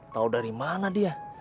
tau dari mana dia